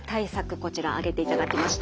こちら挙げていただきました。